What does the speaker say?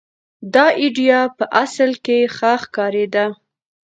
دا اېډیا په اصل کې ښه ښکارېده.